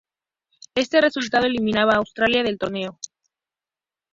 Este resultado eliminaba a Australia del torneo.